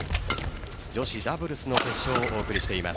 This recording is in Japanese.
女子ダブルスの決勝をお送りしています。